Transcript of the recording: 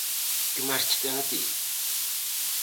Que máis che ten a ti?